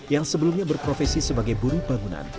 yang sebelumnya berprofesi sebagai buruh bangunan